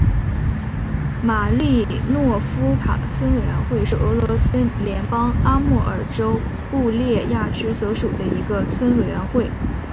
马利诺夫卡村委员会是俄罗斯联邦阿穆尔州布列亚区所属的一个村委员会。